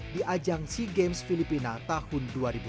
di ajang sea games filipina tahun dua ribu dua puluh